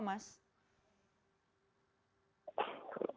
makanan atau seperti apa